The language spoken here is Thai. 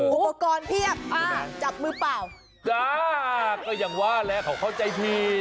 โอ้โหอุปกรณ์เพียบจับมือเปล่าอ่าอย่างว่าแหละเขาเข้าใจผิด